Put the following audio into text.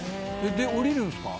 降りるんすか？